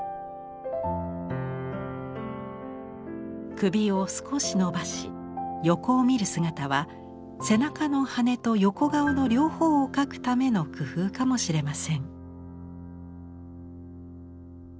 首を少し伸ばし横を見る姿は背中の羽と横顔の両方を描くための工夫かもしれません。